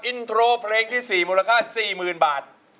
อินโทรเพลงที่๔มูลค่า๔๐๐๐บาท